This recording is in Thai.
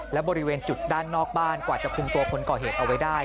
และบริเวณจุดด้านนอกบ้านกว่าจะคุมตัวคนก่อเหตุเอาไว้ได้